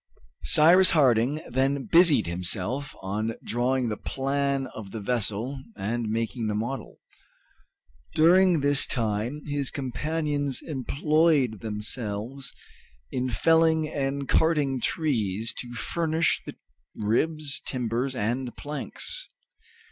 Cyrus Harding then busied himself in drawing the plan of the vessel and making the model. During this time his companions employed themselves in felling and carting trees to furnish the ribs, timbers, and planks.